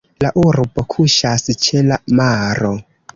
La urbo kuŝas ĉe la maro.